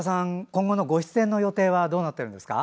今後のご出演予定はどうなってるんですか？